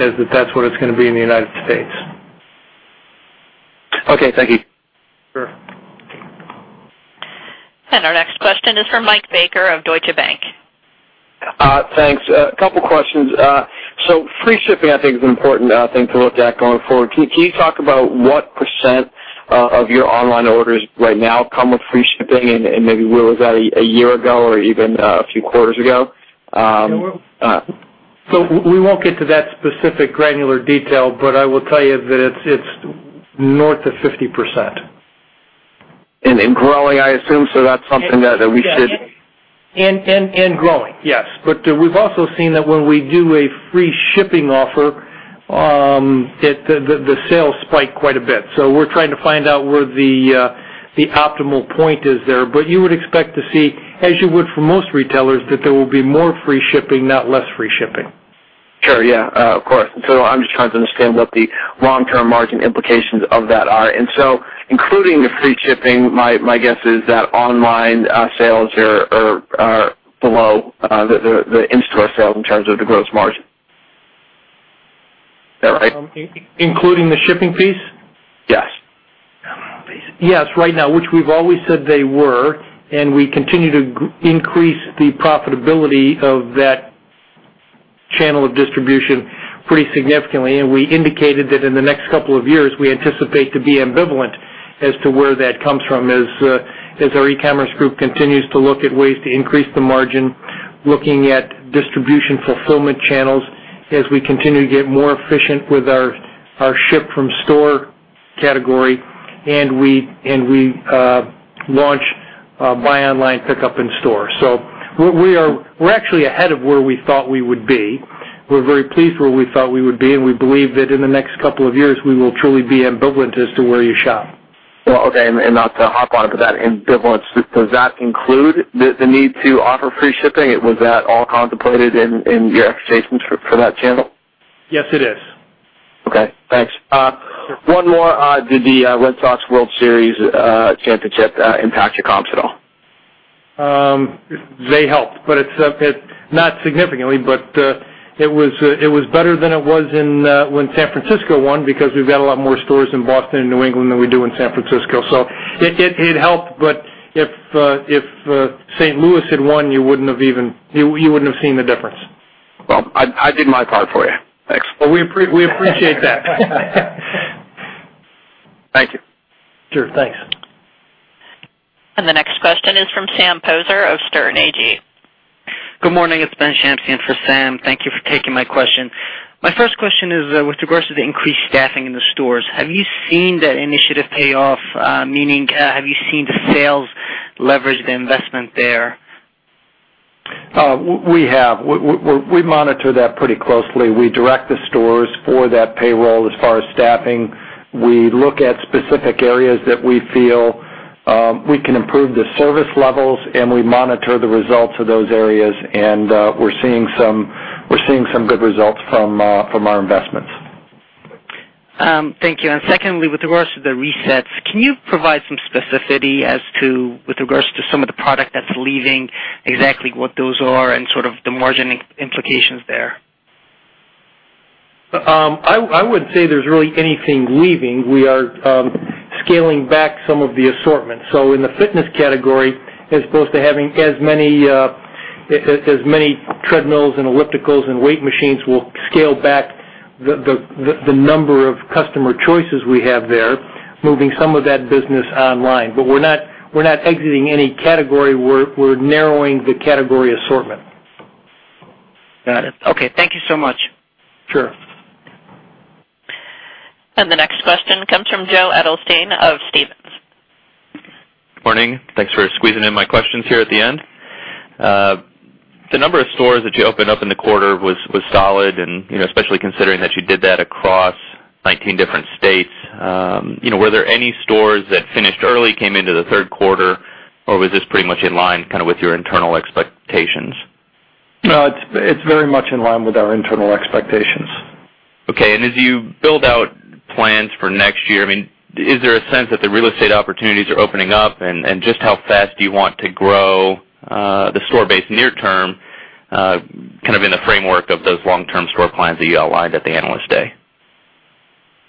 as that that's what it's going to be in the U.S. Okay. Thank you. Sure. Our next question is from Michael Baker of Deutsche Bank. Thanks. A couple questions. Free shipping I think is an important thing to look at going forward. Can you talk about what % of your online orders right now come with free shipping and maybe where was that a year ago or even a few quarters ago? Yeah, Well. We won't get to that specific granular detail, but I will tell you that it's north of 50%. Growing, I assume, so that's something that we should. Growing, yes. We've also seen that when we do a free shipping offer, the sales spike quite a bit. We're trying to find out where the optimal point is there. You would expect to see, as you would for most retailers, that there will be more free shipping, not less free shipping. Sure. Yeah. Of course. I'm just trying to understand what the long-term margin implications of that are. Including the free shipping, my guess is that online sales are below the in-store sales in terms of the gross margin. Is that right? Including the shipping fees? Yes. Yes, right now, which we've always said they were, and we continue to increase the profitability of that channel of distribution pretty significantly. We indicated that in the next couple of years, we anticipate to be ambivalent as to where that comes from, as our e-commerce group continues to look at ways to increase the margin, looking at distribution fulfillment channels as we continue to get more efficient with our ship from store category, and we launch buy online, pickup in store. We're actually ahead of where we thought we would be. We're very pleased where we thought we would be, and we believe that in the next couple of years, we will truly be ambivalent as to where you shop. Well, okay. Not to hop on, that ambivalence, does that include the need to offer free shipping? Was that all contemplated in your expectations for that channel? Yes, it is. Okay, thanks. One more. Did the Red Sox World Series championship impact your comps at all? They helped, but not significantly, but it was better than it was when San Francisco won because we've got a lot more stores in Boston and New England than we do in San Francisco. It helped, but if St. Louis had won, you wouldn't have seen the difference. Well, I did my part for you. Thanks. Well, we appreciate that. Thank you. Sure. Thanks. The next question is from Sam Poser of Sterne Agee. Good morning. It's Ben Shamsian for Sam. Thank you for taking my question. My first question is with regards to the increased staffing in the stores. Have you seen that initiative pay off? Meaning, have you seen the sales leverage the investment there? We have. We monitor that pretty closely. We direct the stores for that payroll as far as staffing. We look at specific areas that we feel we can improve the service levels, and we monitor the results of those areas, and we're seeing some good results from our investments. Thank you. Secondly, with regards to the resets, can you provide some specificity with regards to some of the product that's leaving, exactly what those are and sort of the margin implications there? I wouldn't say there's really anything leaving. We are scaling back some of the assortment. In the fitness category, as opposed to having as many treadmills and ellipticals and weight machines, we'll scale back the number of customer choices we have there, moving some of that business online. We're not exiting any category. We're narrowing the category assortment. Got it. Okay. Thank you so much. Sure. The next question comes from Joe Edelstein of Stephens. Morning. Thanks for squeezing in my questions here at the end. The number of stores that you opened up in the quarter was solid and especially considering that you did that across 19 different states. Were there any stores that finished early, came into the third quarter, or was this pretty much in line with your internal expectations? No, it's very much in line with our internal expectations. Okay. As you build out plans for next year, is there a sense that the real estate opportunities are opening up, and just how fast do you want to grow the store base near term, kind of in the framework of those long-term store plans that you outlined at the Analyst Day?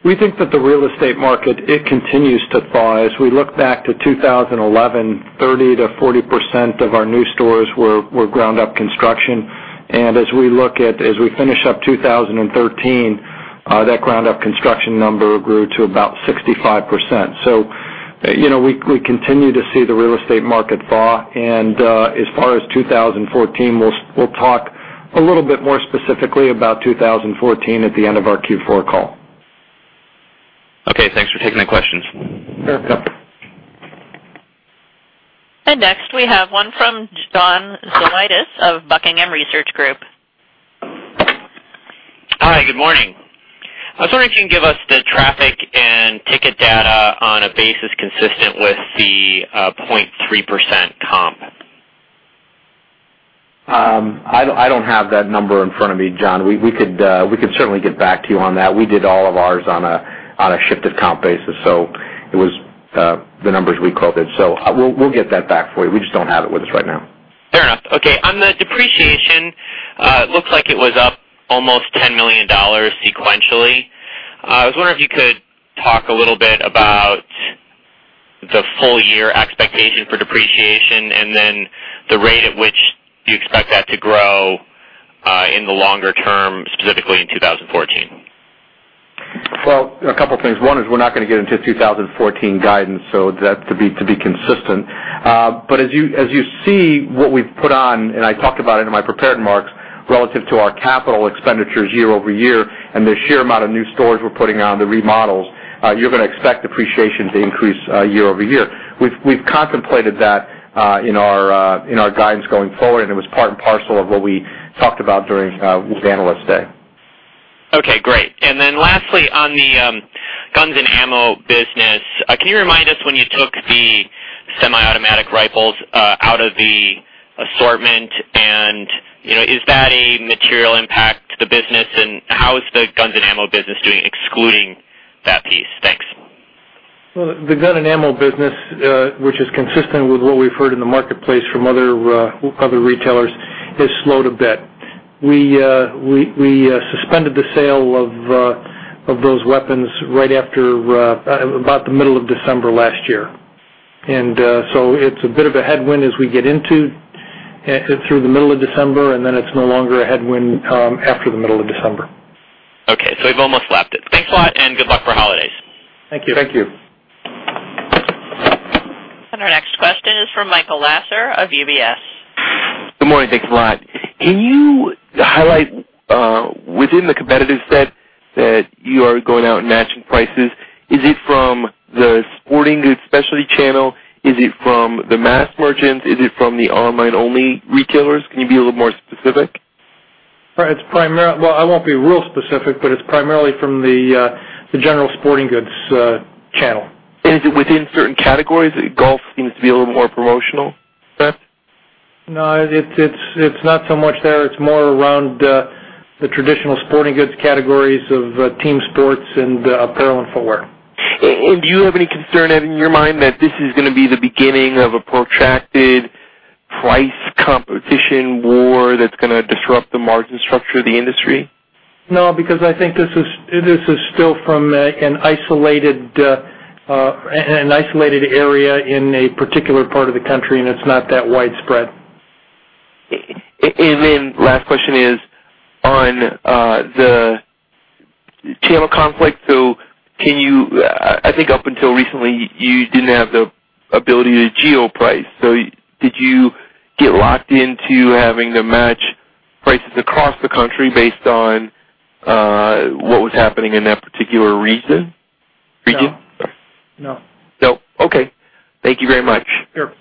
We think that the real estate market, it continues to thaw. As we look back to 2011, 30%-40% of our new stores were ground up construction. As we finish up 2013, that ground up construction number grew to about 65%. We continue to see the real estate market thaw. As far as 2014, we'll talk a little bit more specifically about 2014 at the end of our Q4 call. Okay, thanks for taking the questions. Sure. Next we have one from John Zolidis of Buckingham Research Group. Hi. Good morning. I was wondering if you can give us the traffic and ticket data on a basis consistent with the 0.3% comp. I don't have that number in front of me, John. We could certainly get back to you on that. We did all of ours on a shifted comp basis. It was the numbers we quoted. We'll get that back for you. We just don't have it with us right now. Fair enough. Okay. On the depreciation, looks like it was up almost $10 million sequentially. I was wondering if you could talk a little bit about the full year expectation for depreciation and then the rate at which you expect that to grow in the longer term, specifically in 2014. Well, a couple of things. One is we're not going to get into 2014 guidance, so to be consistent. As you see what we've put on, and I talked about it in my prepared remarks, relative to our capital expenditures year-over-year, and the sheer amount of new stores we're putting on, the remodels, you're going to expect depreciation to increase year-over-year. We've contemplated that in our guidance going forward, and it was part and parcel of what we talked about during Analyst Day. Okay, great. Lastly, on the guns and ammo business, can you remind us when you took the semi-automatic rifles out of the assortment, and is that a material impact to the business, and how is the guns and ammo business doing, excluding that piece? Thanks. Well, the gun and ammo business, which is consistent with what we've heard in the marketplace from other retailers, has slowed a bit. We suspended the sale of those weapons right after about the middle of December last year. It's a bit of a headwind as we get into through the middle of December, and then it's no longer a headwind after the middle of December. Okay. We've almost lapped it. Thanks a lot and good luck for holidays. Thank you. Thank you. Our next question is from Michael Lasser of UBS. Good morning. Thanks a lot. Can you highlight within the competitive set that you are going out and matching prices, is it from the sporting goods specialty channel? Is it from the mass merchants? Is it from the online-only retailers? Can you be a little more specific? Well, I won't be real specific, it's primarily from the general sporting goods channel. Is it within certain categories? Golf seems to be a little more promotional. No, it's not so much there. It's more around the traditional sporting goods categories of team sports and apparel and footwear. Do you have any concern in your mind that this is going to be the beginning of a protracted price competition war that's going to disrupt the margin structure of the industry? No, because I think this is still from an isolated area in a particular part of the country, and it's not that widespread. Last question is on the channel conflict. I think up until recently, you didn't have the ability to geo-price. Did you get locked into having to match prices across the country based on what was happening in that particular region? No. No. Okay. Thank you very much. Sure.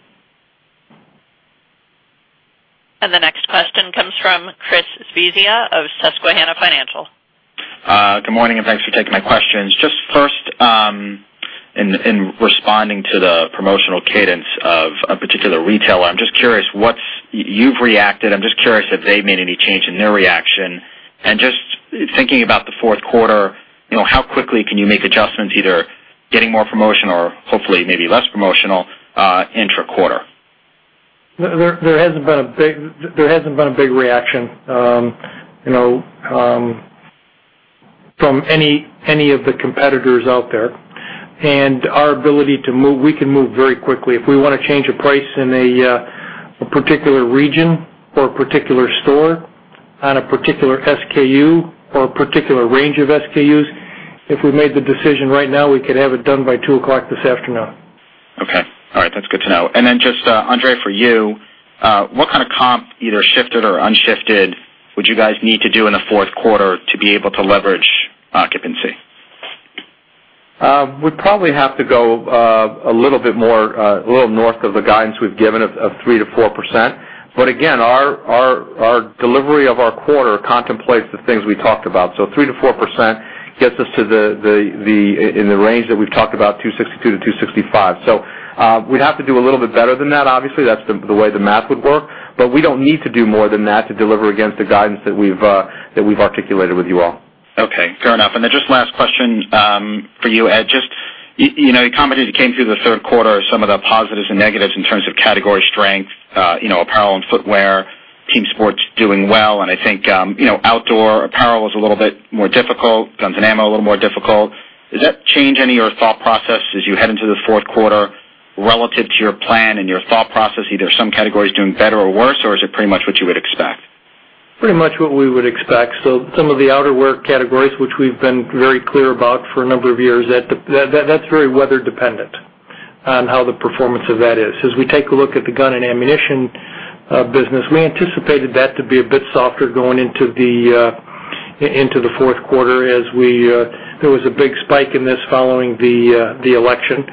The next question comes from Chris Svezia of Susquehanna Financial Group. Good morning, thanks for taking my questions. Just first, in responding to the promotional cadence of a particular retailer, I'm just curious, you've reacted, I'm just curious if they've made any change in their reaction. Just thinking about the fourth quarter, how quickly can you make adjustments, either getting more promotional or hopefully maybe less promotional intra-quarter? There hasn't been a big reaction from any of the competitors out there. Our ability to move, we can move very quickly. If we want to change a price in a particular region or a particular store on a particular SKU or a particular range of SKUs, if we made the decision right now, we could have it done by 2:00 this afternoon. Okay. All right. That's good to know. Just, André, for you, what kind of comp, either shifted or unshifted, would you guys need to do in the fourth quarter to be able to leverage occupancy? We'd probably have to go a little north of the guidance we've given of 3%-4%. Again, our delivery of our quarter contemplates the things we talked about. 3%-4% gets us in the range that we've talked about, 262-265. We'd have to do a little bit better than that, obviously. That's the way the math would work. We don't need to do more than that to deliver against the guidance that we've articulated with you all. Just last question for you, Ed. You commented, as you came through the third quarter, some of the positives and negatives in terms of category strength, apparel and footwear, team sports doing well, and I think outdoor apparel was a little bit more difficult, guns and ammo a little more difficult. Does that change any of your thought process as you head into the fourth quarter relative to your plan and your thought process, either some categories doing better or worse, or is it pretty much what you would expect? Pretty much what we would expect. Some of the outerwear categories, which we've been very clear about for a number of years, that's very weather dependent on how the performance of that is. As we take a look at the gun and ammunition business, we anticipated that to be a bit softer going into the fourth quarter, as there was a big spike in this following the election.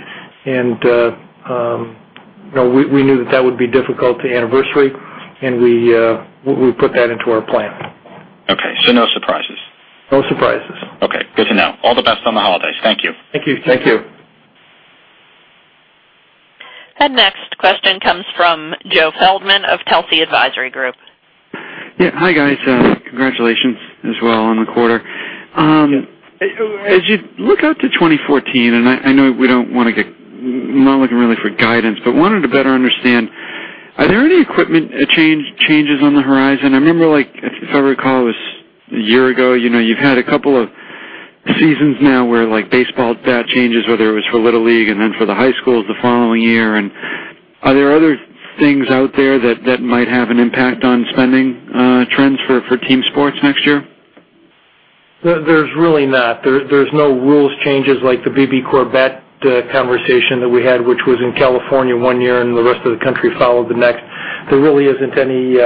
We knew that would be difficult to anniversary, and we put that into our plan. Okay. No surprises. No surprises. Okay. Good to know. All the best on the holidays. Thank you. Thank you. Thank you. Our next question comes from Joseph Feldman of Telsey Advisory Group. Yeah. Hi, guys. Congratulations as well on the quarter. Yeah. As you look out to 2014, and I know we're not looking really for guidance, but wanted to better understand, are there any equipment changes on the horizon? I remember, if I recall, it was a year ago, you've had a couple of seasons now where baseball bat changes, whether it was for Little League and then for the high schools the following year. Are there other things out there that might have an impact on spending trends for team sports next year? There's really not. There's no rules changes like the BBCOR bat conversation that we had, which was in California one year and the rest of the country followed the next. There really isn't any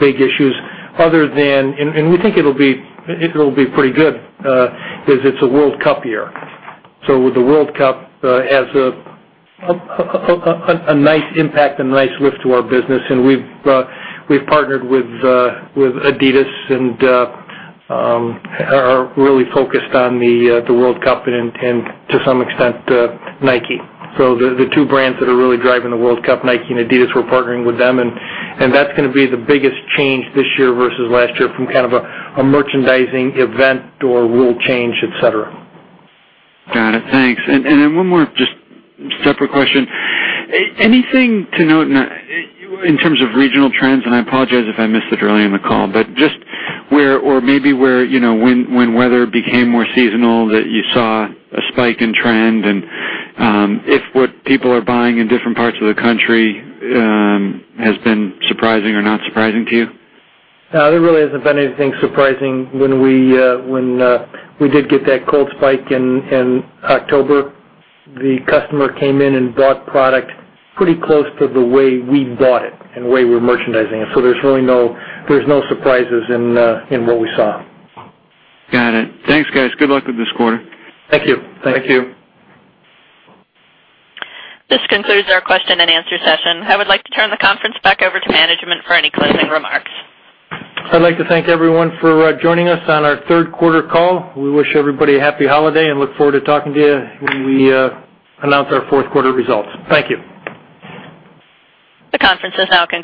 big issues. We think it'll be pretty good, because it's a World Cup year. With the World Cup has a nice impact and nice lift to our business, and we've partnered with Adidas and are really focused on the World Cup and to some extent, Nike. The two brands that are really driving the World Cup, Nike and Adidas, we're partnering with them. That's going to be the biggest change this year versus last year from kind of a merchandising event or rule change, et cetera. Got it. Thanks. Then one more just separate question. Anything to note in terms of regional trends, and I apologize if I missed it earlier in the call, but just maybe when weather became more seasonal, that you saw a spike in trend and if what people are buying in different parts of the country has been surprising or not surprising to you? No, there really hasn't been anything surprising. When we did get that cold spike in October, the customer came in and bought product pretty close to the way we bought it and the way we're merchandising it. There's no surprises in what we saw. Got it. Thanks, guys. Good luck with this quarter. Thank you. Thank you. This concludes our question and answer session. I would like to turn the conference back over to management for any closing remarks. I'd like to thank everyone for joining us on our third quarter call. We wish everybody a happy holiday and look forward to talking to you when we announce our fourth quarter results. Thank you. The conference is now concluded.